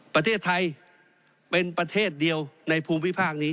ประเทศไทยเป็นประเทศเดียวในภูมิภาคนี้